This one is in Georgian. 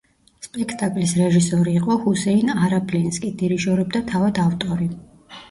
სპექტაკლის რეჟისორი იყო ჰუსეინ არაბლინსკი, დირიჟორობდა თავად ავტორი.